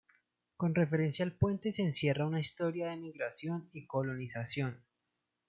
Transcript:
Con referencia al puente se encierra una historia de migración y colonización.